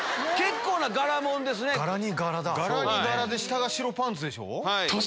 柄に柄で下が白パンツでしょ。